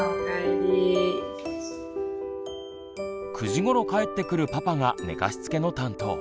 ９時ごろ帰ってくるパパが寝かしつけの担当。